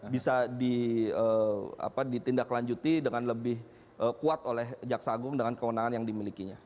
bisa ditindaklanjuti dengan lebih kuat oleh jaksa agung dengan kewenangan yang dimilikinya